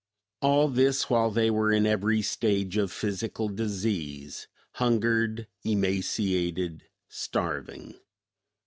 All this while they were in every stage of physical disease hungered, emaciated, starving.